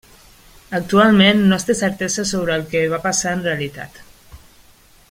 Actualment no es té certesa sobre el que va passar en realitat.